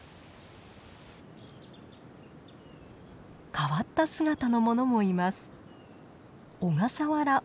変わった姿のものもいます。